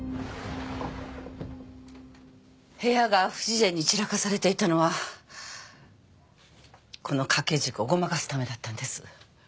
部屋が不自然に散らかされていたのはこの掛け軸をごまかすためだったんです。